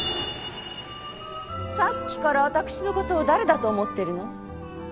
さっきから私のことを誰だと思ってるの？